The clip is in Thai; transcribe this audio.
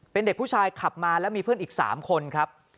เป็นเด็กผู้ชายขับมาแล้วมีเพื่อนอีก๓คนครับ